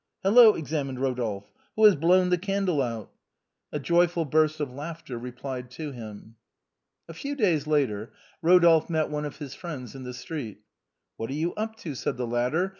" Hello !" exclaimed Eodolphe, " who has blown the candle out ?" A joyful burst of laughter replied to him. A few days later Eodolphe met one of his friends in the street. " What are you up to ?" said the latter.